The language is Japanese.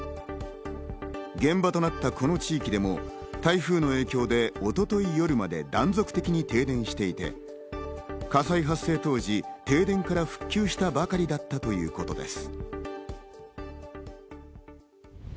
現場となったこの地域でも台風の影響で一昨日夜まで断続的に停電していて、火災発生当時、停電から復旧したばかりだったということです。